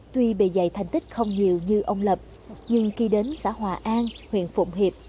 tuy bề dày thành tích không nhiều như ông lập nhưng khi đến xã hòa an huyện phụng hiệp